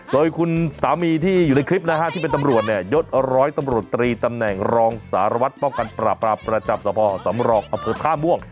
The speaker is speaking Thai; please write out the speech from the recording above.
โดยคุณสามีที่เป็นตำรวจยด๑๐๐ตำรวจตรีตำแหน่งรองสารวัติป้องกันประปราประจับสหพสำรองอเผิดค่าม่วง